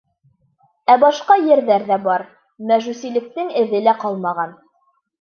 Ә башҡа ерҙәрҙә бар. — мәжүсилектең эҙе лә ҡалмаған.